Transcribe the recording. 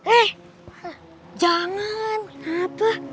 eh jangan kenapa